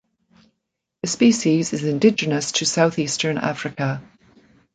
The species is indigenous to southeastern Africa.